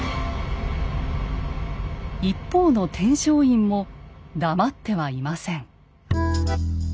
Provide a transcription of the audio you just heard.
一方の天璋院も黙ってはいません。